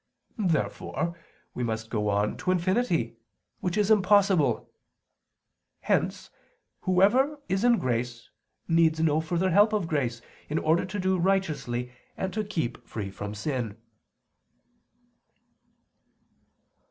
Therefore we must go on to infinity; which is impossible. Hence whoever is in grace needs no further help of grace in order to do righteously and to keep free from sin.